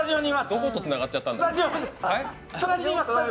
どことつながっちゃったんだろう